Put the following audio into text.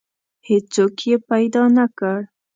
هیڅوک یې پیدا نه کړ.